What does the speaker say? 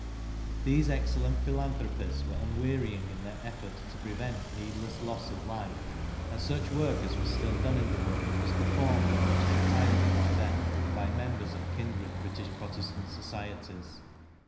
These excellent philanthropists were unwearying in their efforts to prevent needless oss of life, and such work as was still done in the world was performed almost entirely by them and by members of kindred British Protestant societies.